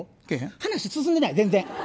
話、進んでない、全然。